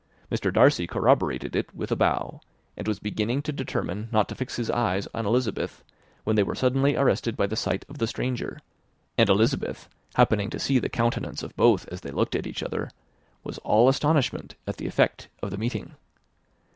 Mr. Darcy corroborated it with a bow, and was beginning to determine not to fix his eyes on Elizabeth, when they were suddenly arrested by the sight of the stranger; and Elizabeth happening to see the countenance of both as they looked at each other, was all astonishment at the effect of the meeting.